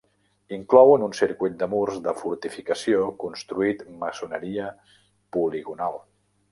Inclouen un circuit de murs de fortificació construït maçoneria poligonal.